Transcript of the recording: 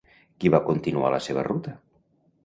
Qui va continuar la seva ruta?